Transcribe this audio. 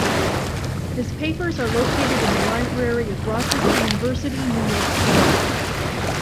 His papers are located in the library of Rochester University, New York State.